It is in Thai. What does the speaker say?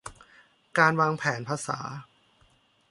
การวางแผนภาษา